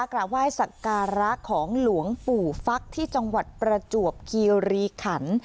กราบไหว้สักการะของหลวงปู่ฟักที่จังหวัดประจวบคีรีขัน